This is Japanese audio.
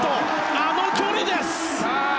あの距離です！